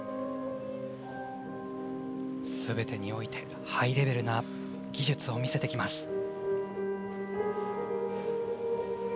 すべてにおいてハイレベルな技術を見せてきます。